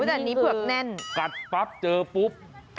อันนี้คือกัดปั๊บเจอปุ๊บ